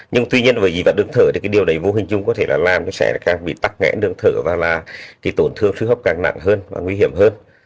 nhưng tuy nhiên với dị vật đường thở thì cái điều đấy vô hình dung có thể là làm cho trẻ càng bị tắc nghẽn đường thở và là tổn thương sự hấp càng nặng hơn và nguy hiểm hơn